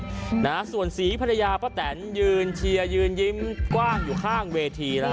วันการส่วนศีรภรรยาพระแตนยืนเชียร์ยืนยิ้มกว้างอยู่ข้างเวทีแล้วนะ